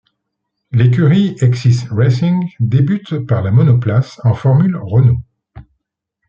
L'écurie Hexis Racing débute par la monoplace en Formule Renault.